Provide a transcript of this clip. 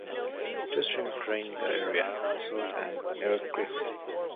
Two streams drain the area, the Salt and Elk Creeks.